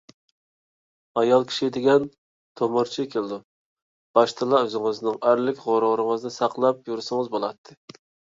ئايال كىشى دېگەن تومۇرچى كېلىدۇ. باشتىلا ئۆزىڭىزنىڭ ئەرلىك غۇرۇرىڭىزنى ساقلاپ يۈرسىڭىز بولاتتى.